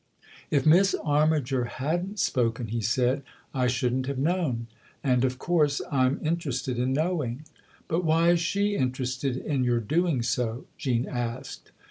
" If Miss Armiger hadn't spoken," he said, " I shouldn't have known. And of course I'm in terested in knowing." " But why is she interested in your doing so ?" Jean asked.